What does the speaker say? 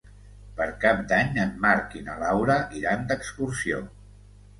Per Cap d'Any en Marc i na Laura iran d'excursió.